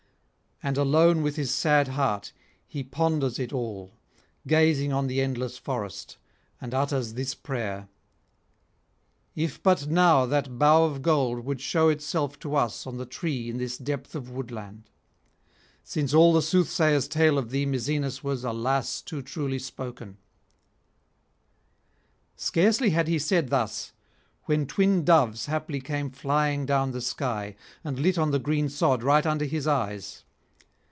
And alone with his sad heart he ponders it all, gazing on the endless forest, and utters this prayer: 'If but now that bough of gold would shew itself to us on the tree in this depth of woodland! since all the soothsayer's tale of thee, Misenus, was, alas! too truly spoken.' Scarcely had he said thus, when twin doves haply came flying down the sky, and lit on the green sod right under his eyes.